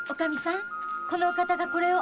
このお方がこれを。